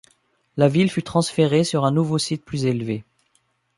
La ville fut transférée sur un nouveau site plus élevé.